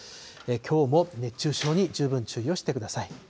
きょうも熱中症に十分注意をしてください。